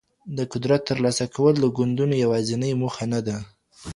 د قدرت ترلاسه کول د ګوندونو يوازينۍ موخه نه ده.